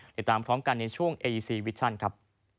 ติดตามพร้อมกันในช่วงเอีซีวิชชั่นครับ